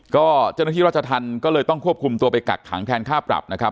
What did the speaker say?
ก็เจ้าหน้าที่ราชธรรมก็เลยต้องควบคุมตัวไปกักขังแทนค่าปรับนะครับ